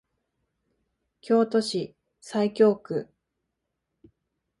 京都市西京区